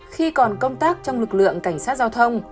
khi còn công tác trong lực lượng cảnh sát giao thông